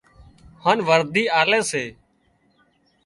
هانَ ورڌِي آلي سي